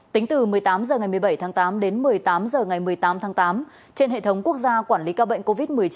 tính từ một mươi tám h ngày một mươi bảy tháng tám đến một mươi tám h ngày một mươi tám tháng tám trên hệ thống quốc gia quản lý ca bệnh covid một mươi chín